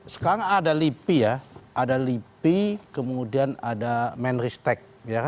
sekarang ada lipi ya ada lipi kemudian ada menristek